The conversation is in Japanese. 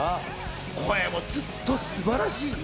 声もずっと素晴らしい。